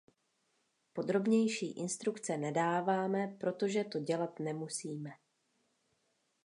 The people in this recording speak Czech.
Podrobnější instrukce nedáváme, protože to dělat nemusíme.